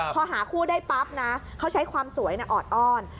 พอหาคู่ได้ปั๊บนะเขาใช้ความสวยออดอ้อน